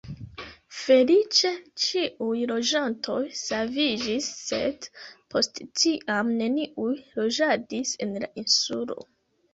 Feliĉe ĉiuj loĝantoj saviĝis sed post tiam neniuj loĝadis en la insulo.